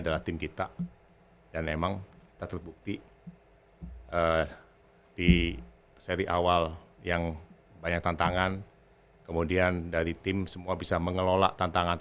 semua orang mempunyai kepentingan